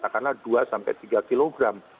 sekaligus katakanlah dua tiga kg